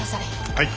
はい。